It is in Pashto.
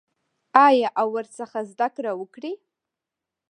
آیا او ورڅخه زده کړه وکړي؟